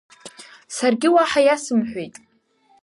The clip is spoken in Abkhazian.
Саргьы уаҳа иасымҳәеит.